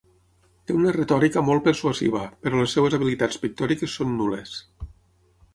Té una retòrica molt persuasiva, però les seves habilitats pictòriques són nul·les.